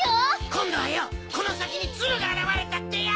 今度はよこの先にツルが現れたってよ！